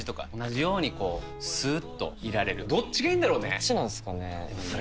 どっちなんですかね。